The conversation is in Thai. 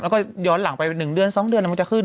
แล้วก็ย้อนหลังไป๑เดือน๒เดือนมันจะขึ้น